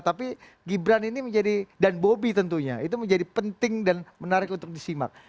tapi gibran ini menjadi dan bobi tentunya itu menjadi penting dan menarik untuk disimak